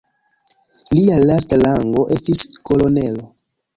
Lia lasta rango estis kolonelo.